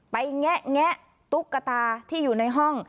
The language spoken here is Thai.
แงะตุ๊กตาที่อยู่ในห้อง